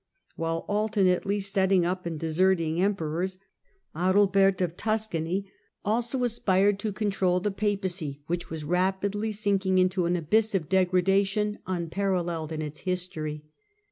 While alternately setting up and deserting emperors, Adalbert of Tuscany THE BREAK UP OF THE CAROLINGIAX EMPIRE 225 also aspired to control the Papacy, which was rapidly sinking into an abyss of degradation unparalleled in its history.